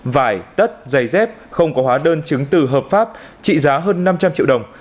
vải tất giày dép không có hóa đơn chứng từ hợp pháp trị giá hơn năm trăm linh triệu đồng